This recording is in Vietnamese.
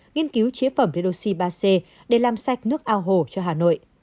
nghiên cứu chế phẩm redoxi ba c để làm sạch nước ao hồ cho hà nội